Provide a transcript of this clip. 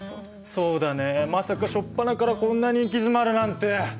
そうだねまさか初っぱなからこんなに行き詰まるなんて。